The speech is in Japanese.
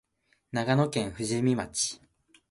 長野県富士見町